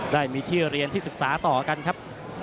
ได้มีที่เรียนที่ศึกษาต่อกันครับ